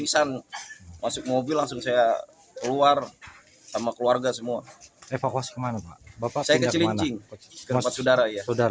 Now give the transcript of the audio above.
saya ke cilincing ke tempat saudara